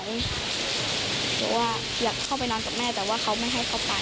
บอกว่าอยากเข้าไปนอนกับแม่แต่ว่าเขาไม่ให้เขาไป